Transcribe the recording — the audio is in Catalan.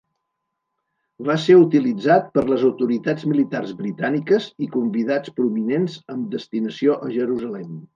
Va ser utilitzat per les autoritats militars britàniques i convidats prominents amb destinació a Jerusalem.